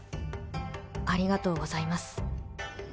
ありがとうございます。